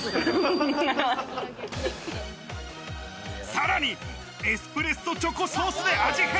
さらにエスプレッソチョコソースで味変。